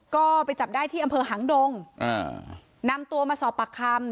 ก็ไปจับได้ที่อำเภอหางดงอ่านำตัวมาสอบปากคำ